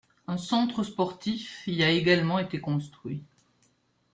Un centre sportif y a également été construit.